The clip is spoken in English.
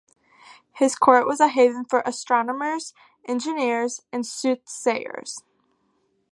His court was a haven for astronomers, engineers, and soothsayers.